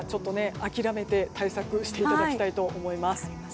諦めて対策をしていただきたいと思います。